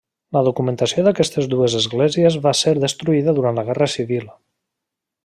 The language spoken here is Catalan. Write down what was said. La documentació d'aquestes dues esglésies va ser destruïda durant la guerra civil.